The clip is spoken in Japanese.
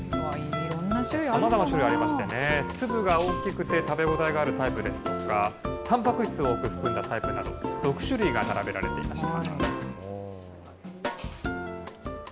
さまざまな種類ありましてね、粒が大きくて食べ応えがあるタイプですとか、たんぱく質を多く含んだタイプなど、６種類が並べられていました。